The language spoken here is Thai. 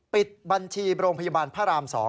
ปิดบัญชีโรงพยาบาลพระราม๒